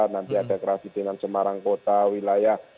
nanti ada kerasi denan semarang kota wilayah